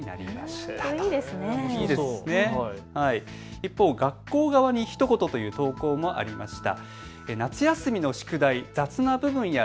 一方、学校側にひと言という投稿もありました。